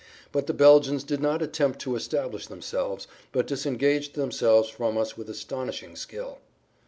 But the Belgians did not attempt to establish themselves, but disengaged themselves from us with astonishing skill.